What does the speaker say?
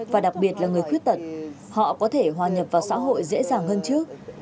và đặc biệt là người khuyết tật họ có thể hòa nhập vào xã hội dễ dàng hơn trước